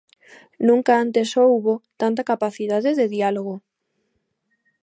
Nunca antes houbo tanta capacidade de diálogo.